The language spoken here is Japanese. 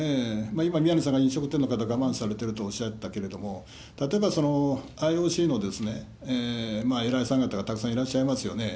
今、宮根さんが飲食店の方が我慢されてるっておっしゃったけれども、例えばＩＯＣの偉いさん方がたくさんいらっしゃいますよね。